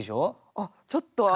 あっちょっとあの。